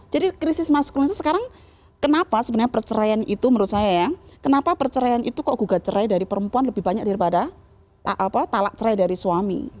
jadi krisis maskulinitas sekarang kenapa sebenarnya perceraian itu menurut saya ya kenapa perceraian itu kok gugat cerai dari perempuan lebih banyak daripada talak cerai dari suami